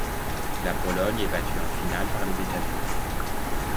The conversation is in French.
La Pologne est battue en finale par les États-Unis.